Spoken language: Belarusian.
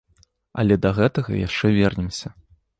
Але да гэтага яшчэ вернемся.